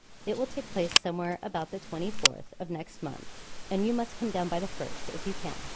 It will take place somewhere about the twenty fourth of next month; and you must come down by the first, if you can.